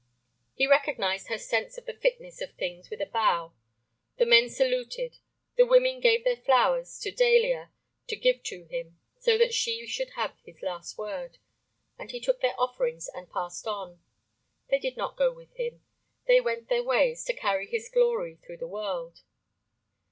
He recognized her sense of the fitness of things with a bow. The men saluted, the women gave their flowers to Dahlia to give to him, so that she should have his last word, and he took their offerings and passed on. They did not go with him, they went their ways to carry his glory through the world.